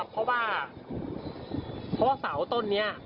เพราะว่าเพราะว่าเสาต้นนี้